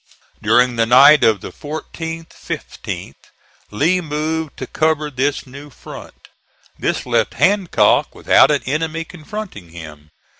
During the night of the 14th 15th Lee moved to cover this new front. This left Hancock without an enemy confronting him.